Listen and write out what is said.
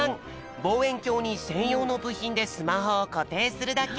ぼうえんきょうにせんようのぶひんでスマホをこていするだけ！